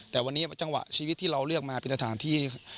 แต่วันนี้จังหวะชีวิตที่เราเลือกมาเป็นสถานที่